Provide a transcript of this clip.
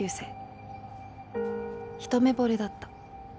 一目惚れだった。